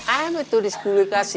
apa itu diskualifikasi